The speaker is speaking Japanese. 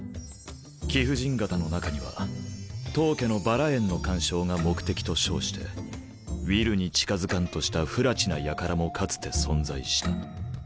貴婦人方の中には当家のバラ園の観賞が目的と称してウィルに近づかんとした不埒な輩もかつて存在した。